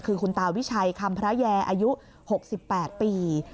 คือคุณตาวิชัยคำพระแยอายุ๖๘ปี